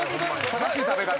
正しい食べ方。